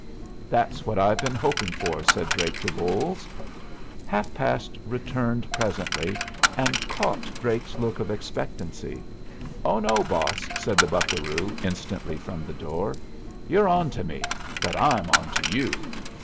"That's what I have been hoping for," said Drake to Bolles. Half past returned presently and caught Drake's look of expectancy. "Oh no, boss," said the buccaroo, instantly, from the door. "You're on to me, but I'm on to you."